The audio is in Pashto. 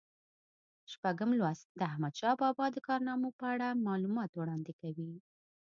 شپږم لوست د احمدشاه بابا د کارنامو په اړه معلومات وړاندې کوي.